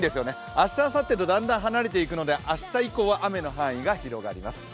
明日、あさってとだんだん離れていくので、明日以降は雨の範囲が広がります。